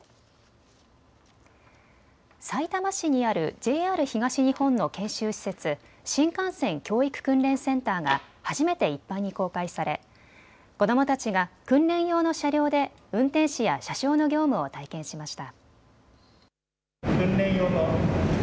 さいたま市にあるＪＲ東日本の研修施設、新幹線教育・訓練センターが初めて一般に公開され、子どもたちが訓練用の車両で運転士や車掌の業務を体験しました。